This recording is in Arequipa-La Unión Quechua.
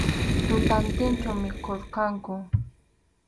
Tutantinchu mikhurqanku.